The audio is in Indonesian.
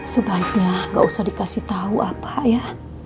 sebaiknya gak usah dikasih tahu apa ya